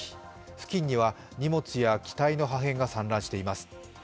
付近には荷物や機体の破片が散乱しています。